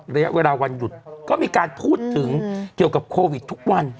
ระยะเวลาวันหยุดก็มีการพูดถึงเกี่ยวกับโควิดทุกวัน